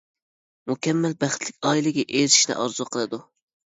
مۇكەممەل، بەختلىك ئائىلىگە ئېرىشىشنى ئارزۇ قىلىدۇ.